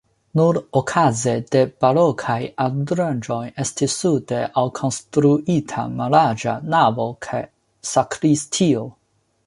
Nur okaze de barokaj aranĝoj estis sude alkonstruita mallarĝa navo kaj sakristio.